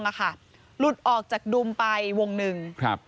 หลุดออกจากดุมไปวง๑